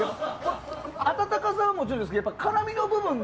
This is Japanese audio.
温かさはもちろんですけど辛みの部分で。